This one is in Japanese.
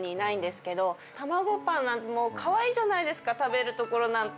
たまごパンなんてもう可愛いじゃないですか食べるところなんて。